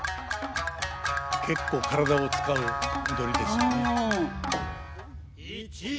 結構体を使う踊りですよね。